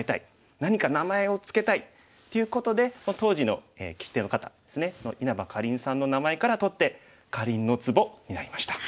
何か名前を付けたいっていうことで当時の聞き手の方ですね稲葉かりんさんの名前から取ってかりんのツボになりました。